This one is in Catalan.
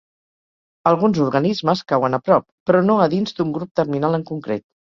Alguns organismes cauen a prop, però no a dins d'un grup terminal en concret.